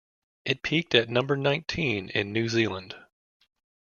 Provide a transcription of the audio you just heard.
It peaked at number nineteen in New Zealand.